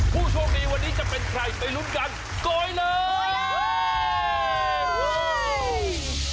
ผู้โชคดีวันนี้จะเป็นใครไปลุ้นกันก่อนเลย